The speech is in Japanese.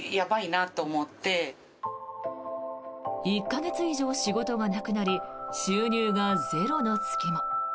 １か月以上仕事がなくなり収入がゼロの月も。